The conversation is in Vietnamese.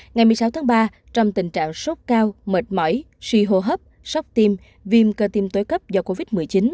ngày một mươi sáu tháng ba trong tình trạng sốt cao mệt mỏi suy hô hấp sốc tim viêm cơ tim tối cấp do covid một mươi chín